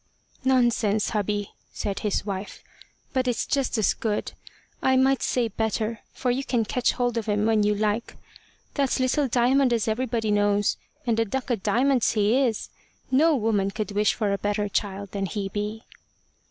"Nonsense, hubby!" said his wife; "but it's just as good. I might say better, for you can ketch hold of him when you like. That's little Diamond as everybody knows, and a duck o' diamonds he is! No woman could wish for a better child than he be."